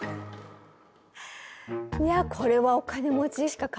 いやこれはお金持ちしか買えないわ。